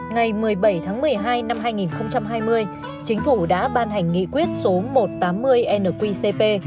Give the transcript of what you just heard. ngày một mươi bảy tháng một mươi hai năm hai nghìn hai mươi chính phủ đã ban hành nghị quyết số một trăm tám mươi nqcp